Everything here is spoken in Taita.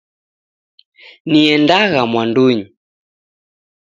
Niendagha mwandunyi.